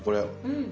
うん。